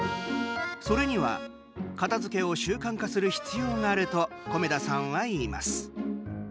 それには、片づけを習慣化する必要があると米田さんは言います。